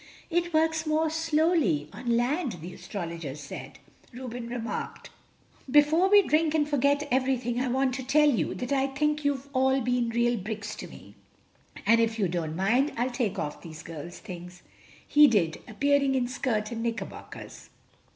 "It works more slowly on land, the Astrologer said," Reuben remarked. "Before we drink and forget everything I want to tell you that I think you've all been real bricks to me. And if you don't mind, I'll take off these girls' things." He did, appearing in shirt and knickerbockers.